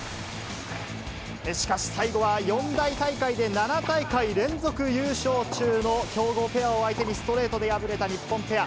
しかし、最後は四大大会で７大会連続優勝中の強豪ペアを相手にストレートで敗れた日本ペア。